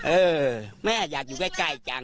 เออแม่อยากอยู่ใกล้จัง